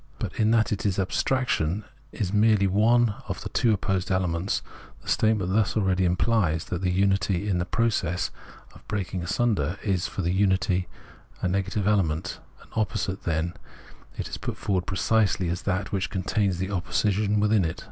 But in that it is abstraction, is merely one of the two opposed elements, the statement thus already imphes that the unity is the process of breaking asunder; for if the imity is a negative element, an opposite, then it is put forward precisely as that which contains opposition withiu it.